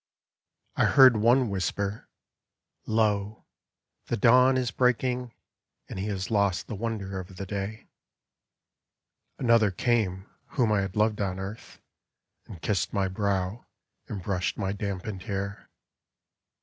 I heard one whisper, '' Lo, the dawn is breaking. And he has lost the wonder of the day/' Another came whom I had loved on earth. And kissed my brow and brushed my dampened hair.